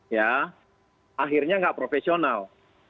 ya akhirnya nggak profesional